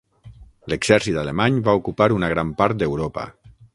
L'exèrcit alemany va ocupar una gran part d'Europa.